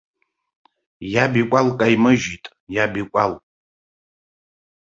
Иаб икәал каимыжьт, иаб икәал!